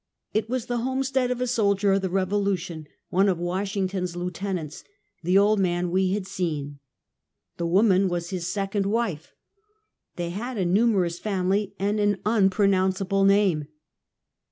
It was the homestead of a soldier of the Revolution, one of Washington's lieutenants — the old man we had seen. The woman was his second wife. They had a numerous family, and an unpronounceable name.